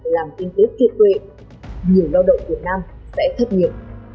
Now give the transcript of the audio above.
làm kinh tế kiệt quệ nhiều lao động việt nam sẽ thất nghiệp